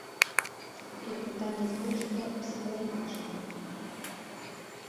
Тут пытанне збольшага псіхалагічнае.